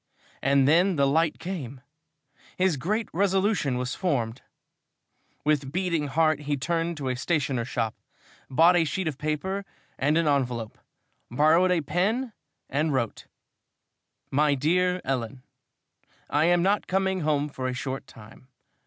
And then the light came! His great resolution was formed. With beating heart he turned to a stationer's shop, bought a sheet of paper and an envelope, borrowed a pen and wrote: My DEAR ELLEN, I am not coming home for a short time.